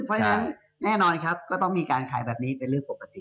เพราะฉะนั้นแน่นอนครับก็ต้องมีการขายแบบนี้เป็นเรื่องปกติ